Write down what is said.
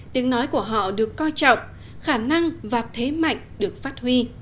tiếng nói của họ được coi trọng khả năng và thế mạnh được phát huy